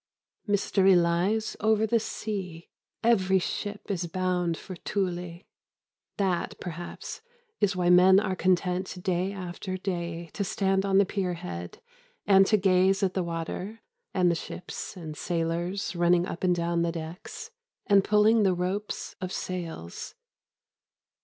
Mystery lies over the sea. Every ship is bound for Thule. That, perhaps, is why men are content day after day to stand on the pier head and to gaze at the water and the ships and sailors running up and down the decks and pulling the ropes of sails.